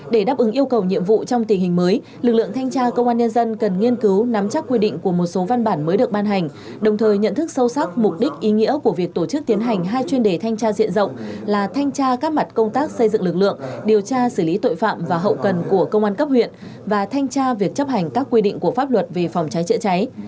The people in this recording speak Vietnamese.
để đáp ứng yêu cầu nhiệm vụ trong tình hình mới lực lượng thanh tra công an nhân dân cần nghiên cứu nắm chắc quy định của một số văn bản mới được ban hành đồng thời nhận thức sâu sắc mục đích ý nghĩa của việc tổ chức tiến hành hai chuyên đề thanh tra diện rộng là thanh tra các mặt công tác xây dựng lực lượng điều tra xử lý tội phạm và hậu cần của công an cấp huyện và thanh tra việc chấp hành các quy định của pháp luật về phòng trái trợ trái